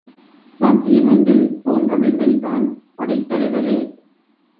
சாத்தியமென்று தோன்றவில்லைதான் படைத்தலைவரே.